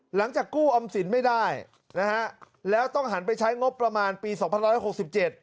หลังจากกู้อำสินไม่ได้นะฮะแล้วต้องหันไปใช้งบประมาณปีศพรรศ๖๗